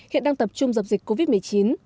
hiện đang tập trung dập dịch covid một mươi chín